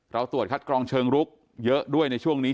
ตรวจคัดกรองเชิงลุกเยอะด้วยในช่วงนี้